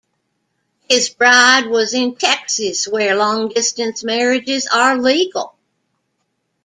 His bride was in Texas where long distance marriages are legal.